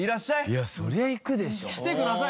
いやそりゃ行くでしょ。来てください